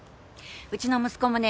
うちの息子もね